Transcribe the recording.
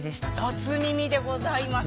初耳でございます。